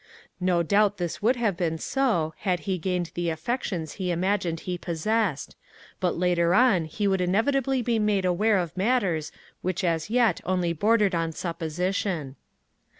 No doubt this would have been so had he gained the affections he imagined he possessed, but later on he would inevitably be made aware of matters which as yet only bordered on supposition.